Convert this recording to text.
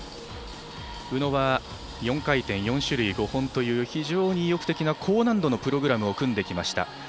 宇野は４回転４種類５本という非常に意欲的な高難度のプログラムを組んできました。